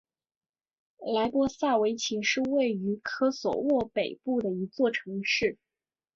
莱波萨维奇是位于科索沃北部的一座城市。